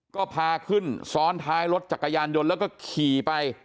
ก็พาขึ้นซ้อนท้ายรถจักรยานยนต์แล้วก็ขี่ไป